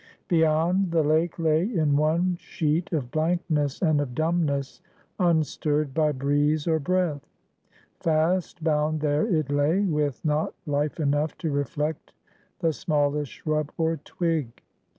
Beyond, the lake lay in one sheet of blankness and of dumbness, unstirred by breeze or breath; fast bound there it lay, with not life enough to reflect the smallest shrub or twig.